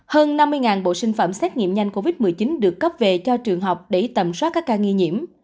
hơn năm mươi bộ sinh phẩm xét nghiệm nhanh covid một mươi chín được cấp về cho trường học để tầm soát các ca nghi nhiễm